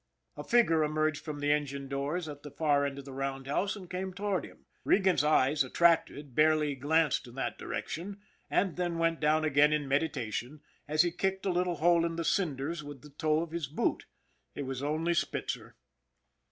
A figure emerged from the engine doors at the far end of the roundhouse and came toward him. Regan's eyes, attracted, barely glanced in that direction, and then went down again in meditation, as he kicked a little hole in the cinders with the toe of his boot it was only Spitzer.